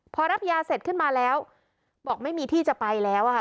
พอรับยาเสร็จขึ้นมาแล้วบอกไม่มีที่จะไปแล้วอะค่ะ